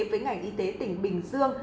với ngành y tế tỉnh bình dương